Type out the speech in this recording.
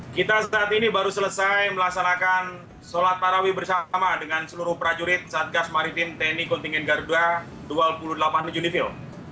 kita saat ini baru selesai melaksanakan sholat tarawih bersama dengan seluruh prajurit satgas maritim tni kontingen garuda dua puluh delapan junifil